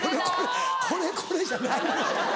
「これこれ」じゃないの。